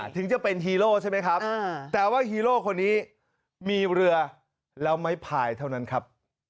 ถึงจะเป็นฮีโร่ใช่ไหมครับแต่ว่าฮีโร่คนนี้มีเรือแล้วไม้พายเท่านั้นครับ